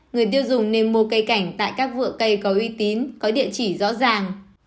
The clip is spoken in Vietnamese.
người tiêu dùng nên mua cây cảnh tại các vựa cây có uy tín có địa chỉ rõ ràng